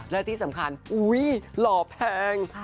และที่สำคัญอุ๊ยหล่อแพง